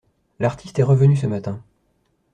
L'artiste est revenu ce matin.